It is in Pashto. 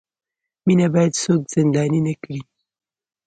مینه باید څوک زنداني نه کړي.